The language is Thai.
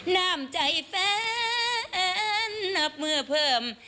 นามใจแฟนนับมือเพิ่ม